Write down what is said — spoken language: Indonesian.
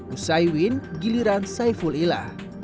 usai win giliran saiful ila